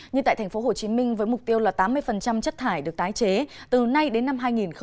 nhưng tại tp hcm với mục tiêu là tám mươi chất thải được tái chế từ nay đến năm hai nghìn hai mươi năm